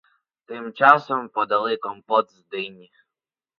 Тим часом подали компот з дині.